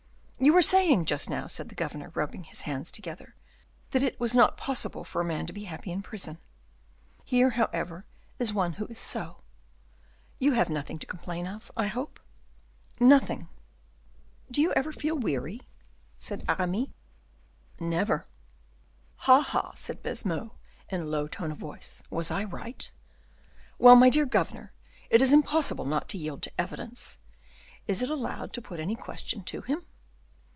"You were saying just now," said the governor, rubbing his hands together, "that it was not possible for a man to be happy in prison; here, however, is one who is so. You have nothing to complain of, I hope?" "Nothing." "Do you ever feel weary?" said Aramis. "Never." "Ha, ha," said Baisemeaux, in a low tone of voice; "was I right?" "Well, my dear governor, it is impossible not to yield to evidence. Is it allowed to put any question to him?"